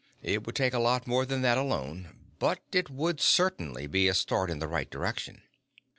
"It would take a lot more than that alone. But it would certainly be a start in the right direction."